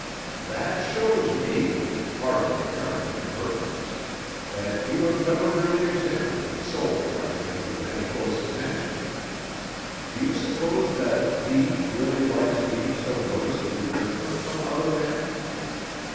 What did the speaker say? "That shows me pardon the apparent impertinence that you have never really examined the soul question with any close attention. Do you suppose that D really likes being so noticeably different from other men?